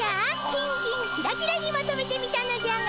キンキンキラキラにまとめてみたのじゃが。